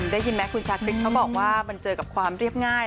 ได้ยินไหมคุณชาคริสเขาบอกว่ามันเจอกับความเรียบง่าย